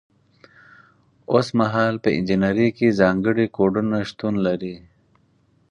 اوس مهال په انجنیری کې ځانګړي کوډونه شتون لري.